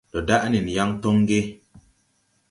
Ndo daʼ nen yaŋ toŋ ge ?